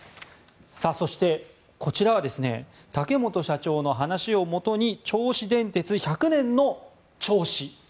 そして、こちらは竹本社長の話をもとに銚子電鉄１００年の調子。